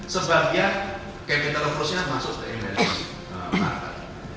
sebabnya capital growth nya masuk ke emerging market